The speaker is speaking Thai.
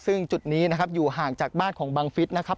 ซึ่งจุดนี้นะครับอยู่ห่างจากบ้านของบังฟิศนะครับ